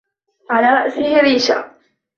على رأسه ريشة